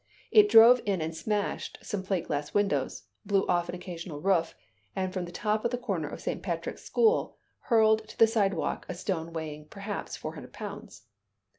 It drove in and smashed some plate glass windows, blew off an occasional roof, and from the top of the corner of St. Patrick's School, hurled to the sidewalk a stone weighing, probably, four hundred pounds.